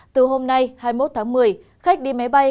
từ hôm nay hai mươi một tháng một mươi khách đi máy bay